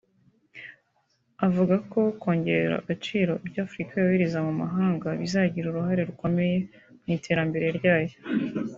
avuga ko kongerera agaciro ibyo Afurika yohereza mu mahanga bizagira uruhare rukomeye mu iterambere ryayo